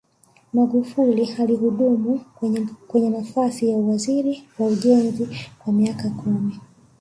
magufuli alihudumu kwenye nafasi ya uwaziri wa ujenzi kwa miaka kumi